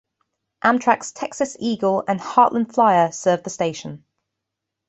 Amtrak's "Texas Eagle" and "Heartland Flyer" serve the station.